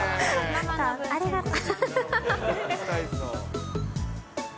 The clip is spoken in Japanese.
ありがとう。